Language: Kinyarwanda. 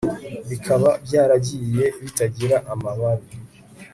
Bikaba byaragiye bitagira amababi